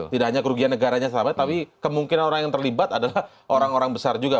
tidak hanya kerugian negaranya sama tapi kemungkinan orang yang terlibat adalah orang orang besar juga